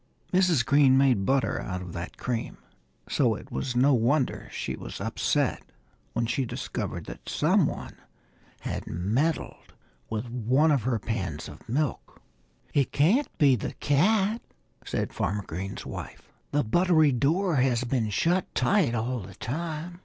Mrs. Green made butter out of that cream. So it was no wonder she was upset when she discovered that some one had meddled with one of her pans of milk. "It can't be the cat," said Farmer Green's wife. "The buttery door has been shut tight all the time."